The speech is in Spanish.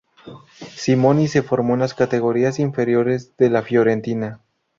Simoni se formó en las categorías inferiores de la Fiorentina.